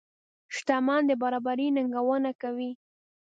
شتمن د برابرۍ ننګونه کوي.